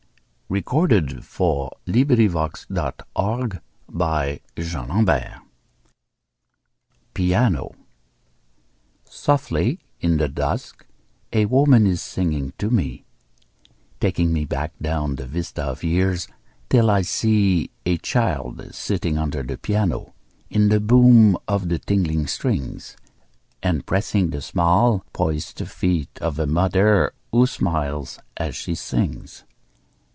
K L . M N . O P . Q R . S T . U V . W X . Y Z Piano SOFTLY, in the dusk, a woman is singing to me; Taking me back down the vista of years, till I see A child sitting under the piano, in the boom of the tingling strings And pressing the small, poised feet of a mother who smiles as she sings.